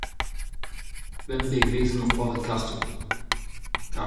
bemdez e vezent o c'hoari kartoù.